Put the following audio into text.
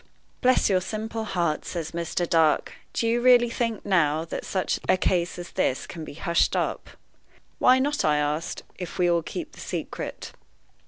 "Bless your simple heart!" says Mr. Dark, "do you really think, now, that such a case as this can be hushed up?" "Why not," I asked, "if we all keep the secret?"